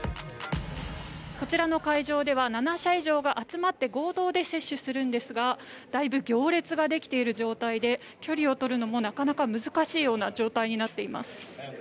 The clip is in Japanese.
こちらの会場では７社以上が集まって合同で接種するんですがだいぶ行列ができている状態で距離を取るのもなかなか難しいような状態になっています。